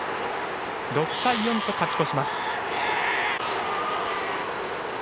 ６対４と勝ち越します。